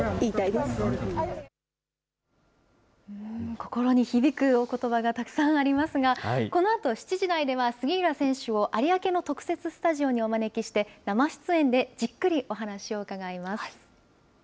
心に響くおことばがたくさんありますが、このあと７時台では、杉浦選手を有明の特設スタジオにお招きして、生出演でじっくりお話を伺います。